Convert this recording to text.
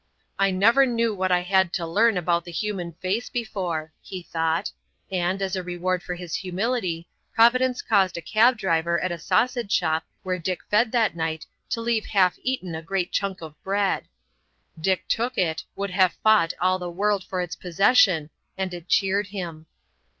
"I never knew what I had to learn about the human face before," he thought; and, as a reward for his humility, Providence caused a cab driver at a sausage shop where Dick fed that night to leave half eaten a great chunk of bread. Dick took it,—would have fought all the world for its possession,—and it cheered him.